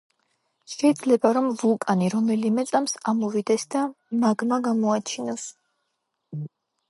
შეიძლება რომ ვულკანი რომელიმე წამს ამოვიდეს და მაგმა გამოაჩინოს